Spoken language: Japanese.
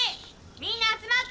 みんな集まって。